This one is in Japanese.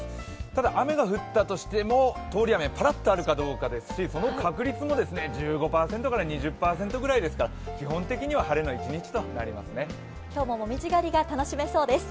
ただ、雨が降ったとしても通り雨、パラッとあるかどうかですしその確率も１５％から２０％くらいですから基本的には晴れの一日となりそうです。